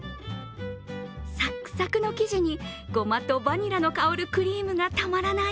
サックサクの生地にごまとバニラの香るクリームがたまらない